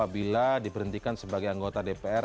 bila diberhentikan sebagai anggota dpr